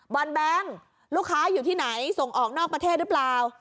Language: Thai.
วันแบงค์ลูกค้าอยู่ที่ไหนส่งออกนอกประเทศหรือเปล่า